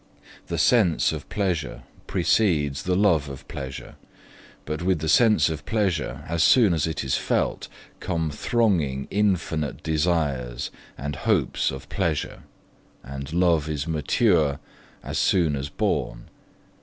The sense of pleasure precedes the love of pleasure, but with the sense of pleasure, as soon as it is felt, come thronging infinite desires and hopes of pleasure, and love is mature as soon as born.